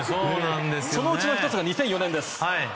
そのうちの１つが２００４年です。